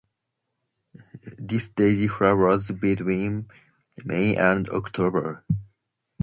This daisy flowers between May and October.